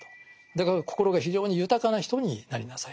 だから心が非常に豊かな人になりなさいと。